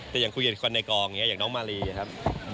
แต่อย่างคุยกับคนในกองอย่างน้องมารีอย่างนี้ครับ